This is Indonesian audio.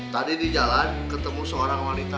tadi di jalan ketemu seorang wanita